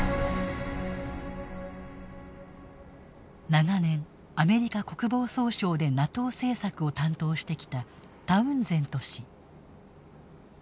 長年、アメリカ国防総省でＮＡＴＯ政策を担当してきたタウンゼント氏。